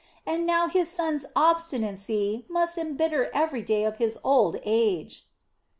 And now his son's obstinacy must embitter every day of his old age."